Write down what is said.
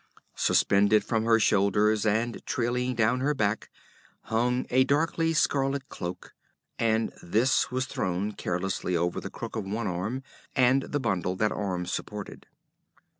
Suspended from her shoulders and trailing down her back hung a darkly scarlet cloak, and this was thrown carelessly over the crook of one arm and the bundle that arm supported.